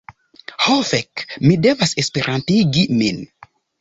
Ho fek, mi devas Esperantigi min.